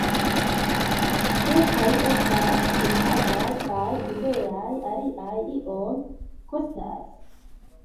Kelkaj estas senpagaj kaj liberaj, aliaj iom kostas.